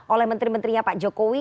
oleh menteri menterinya pak jokowi